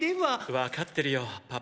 わかってるよパパ。